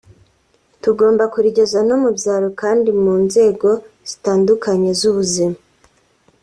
tugomba kurigeza no mu byaro kandi mu nzego zitandukanye z’ubuzima